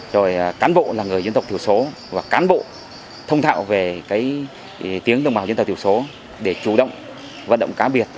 rồi cán bộ là người dân tộc thiểu số và cán bộ thông thạo về cái tiếng đồng bào dân tộc tiểu số để chủ động vận động cá biệt